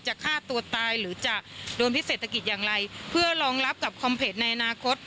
ฆ่าตัวตายหรือจะโดนพิเศรษฐกิจอย่างไรเพื่อรองรับกับคอมเพจในอนาคต